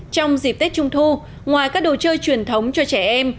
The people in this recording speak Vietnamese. trong dịp tết trung thu ngoài các đồ chơi truyền thống cho trẻ em